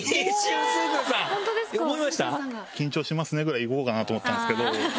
「緊張しますね」ぐらいいこうかなと思ったんですけど。